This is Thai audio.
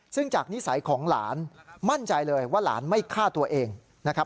ซึ่งจากนิสัยของหลานมั่นใจเลยว่าหลานไม่ฆ่าตัวเองนะครับ